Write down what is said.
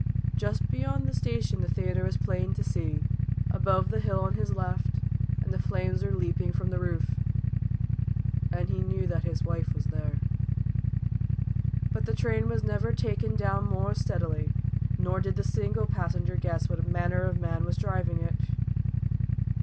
Just beyond the station the theatre was plain to see, above the hill on his left, and the flames were leaping from the roof; and he knew that his wife was there. But the train was never taken down more steadily, nor did a single passenger guess what manner of man was driving it.